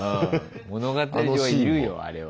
物語上は要るよあれは。